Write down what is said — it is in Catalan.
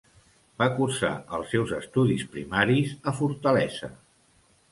Va cursar els seus estudis primaris a Fortaleza.